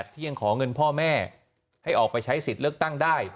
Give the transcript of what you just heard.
ที่ยังขอเงินพ่อแม่ให้ออกไปใช้สิทธิ์เลือกตั้งได้